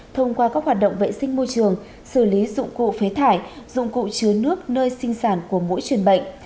thông qua các hoạt động vệ sinh môi trường xử lý dụng cụ phế thải dụng cụ chứa nước nơi sinh sản của mũi truyền bệnh